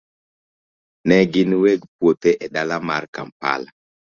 Ne gin weg puothe e dala mar Kampala.